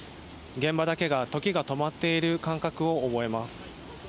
現場だけが時が止まっている感覚を覚えます。